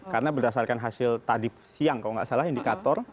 karena berdasarkan hasil tadi siang kalau tidak salah indikator